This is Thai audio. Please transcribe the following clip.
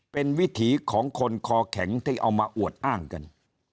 เป็นวิถีของคนคอแข็งที่เอามาอวดอ้างกัน